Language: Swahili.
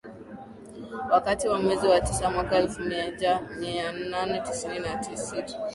Wakati wa mwezi wa tisa mwaka elfu mija mia nane tisini na sita